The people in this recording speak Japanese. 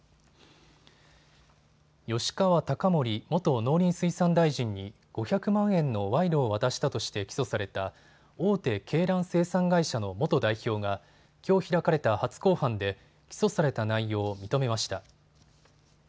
吉川貴盛元農林水産大臣に５００万円の賄賂を渡したとして起訴された大手鶏卵生産会社の元代表がきょう開かれた初公判で起訴された内容を認めました。